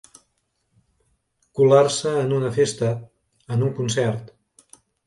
Colar-se en una festa, en un concert.